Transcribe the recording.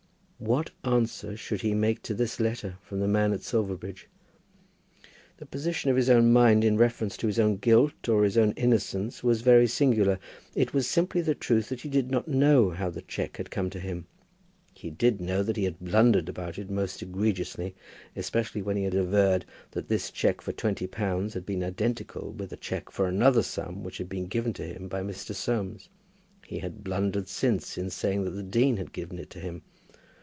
What answer should he make to this letter from the man at Silverbridge? The position of his own mind in reference to his own guilt or his own innocence was very singular. It was simply the truth that he did not know how the cheque had come to him. He did know that he had blundered about it most egregiously, especially when he had averred that this cheque for twenty pounds had been identical with a cheque for another sum which had been given to him by Mr. Soames. He had blundered since, in saying that the dean had given it to him.